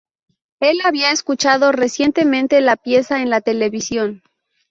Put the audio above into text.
Él había escuchado recientemente la pieza en la televisión.